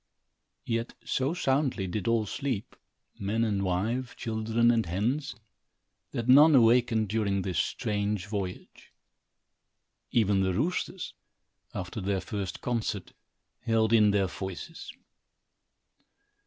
Yet so soundly did all sleep, man and wife, children and hens, that none awakened during this strange voyage. Even the roosters, after their first concert, held in their voices.